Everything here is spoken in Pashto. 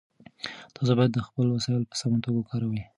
تاسو باید خپل وسایل په سمه توګه وکاروئ.